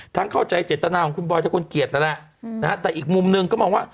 ทั้งเข้าใจเจ็ดตนาของคุณบอยจะควรเกียจแล้วแหละแต่อีกมุมหนึ่งก็บอกว่า